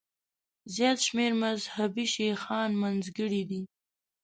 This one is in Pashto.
زیات شمېر مذهبي شیخان منځګړي دي.